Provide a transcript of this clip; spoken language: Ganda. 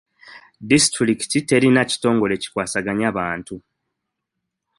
Disitulikiti terina kitongole kikwasaganya bantu.